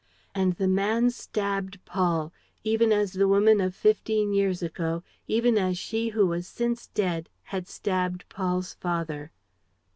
And the man stabbed Paul, even as the woman of fifteen years ago, even as she who was since dead had stabbed Paul's father.